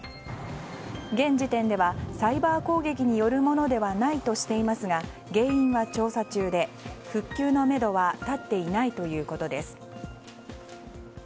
現時点ではサイバー攻撃によるものではないとしていますが原因は調査中で復旧のめどは立っていないということです。